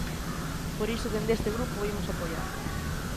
Por iso dende este grupo o imos apoiar.